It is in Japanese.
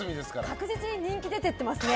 確実に人気出てってますね。